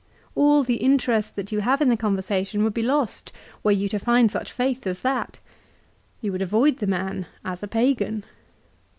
All the interest that you have in the conversation would be lost were you to find such faith as that. You would avoid the man, as a pagan.